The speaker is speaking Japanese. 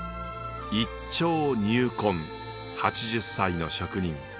一彫入魂８０歳の職人。